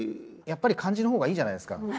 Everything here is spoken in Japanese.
やっぱり漢字の方がいいじゃないですか。